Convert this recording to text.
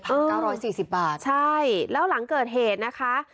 เก้าร้อยสี่สิบบาทใช่แล้วหลังเกิดเหตุนะคะ